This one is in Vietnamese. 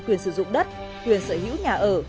quyền sử dụng đất quyền sở hữu nhà ở